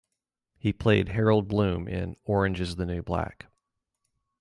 He played Harold Bloom in "Orange is the New Black".